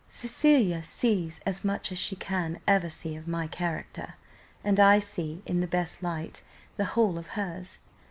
Cecilia sees as much as she can ever see of my character, and I see, in the best light, the whole of hers.